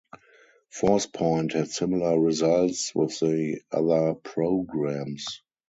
Forcepoint had similar results with the other programs.